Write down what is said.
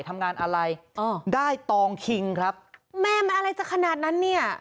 ทำงานอะไรอ๋อได้ตองคิงครับแม่มันอะไรจะขนาดนั้นเนี่ย